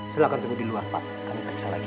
silahkan tunggu di luar part kami periksa lagi